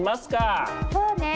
そうね！